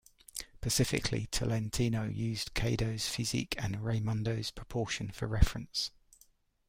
Specifically, Tolentino used Caedo's physique and Raymundo's proportion for reference.